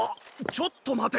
ちょっと待て。